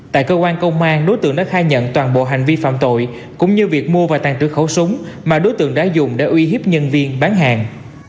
tại cơ quan công an đối tượng đã khai nhận toàn bộ hành vi phạm tội cũng như việc mua và tàn trữ khẩu súng mà đối tượng đã dùng để uy hiếp nhân viên bán hàng